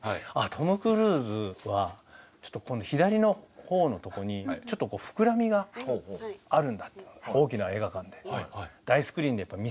トム・クルーズはちょっとこの左のほおのとこにちょっと膨らみがあるんだというのを大きな映画館で大スクリーンで見つけました。